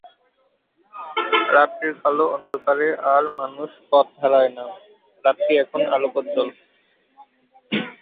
রাত্রির কালো অন্ধকারে আর মানুষ পথ হারায় না, রাত্রি এখন আলোকজ্জ্বল।